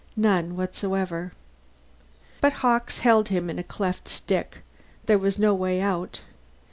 None whatsoever. But Hawkes held him in a cleft stick. There was no way out.